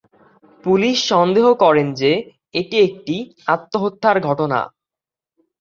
Police সন্দেহ করেন যে এটি একটি আত্মহত্যার ঘটনা।